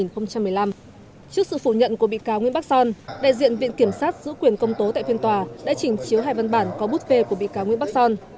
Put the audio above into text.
trước sự phủ nhận của bị cáo nguyễn bắc son đại diện viện kiểm sát giữ quyền công tố tại phiên tòa đã chỉnh chiếu hai văn bản có bút phê của bị cáo nguyễn bắc son